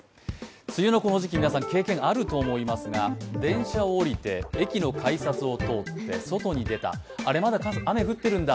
梅雨のこの時期皆さん経験があると思いますが電車を降りて、駅の改札を通って外に出たり、あれっ、まだあめ降ってるんだ。